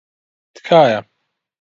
تکایە.